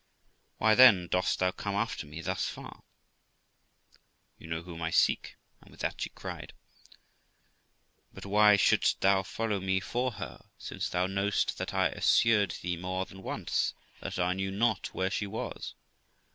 Why, then, dost thou come after me thus far? . Girl. You know whom I seek. [And with that she cried.] Qu. But why shouldst thou follow me for her, since thou know'st that I assured thee more than once that I knew not where she was?